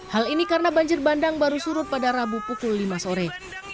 hal ini karena banjir bandang baru surut pada rabu pukul lima sore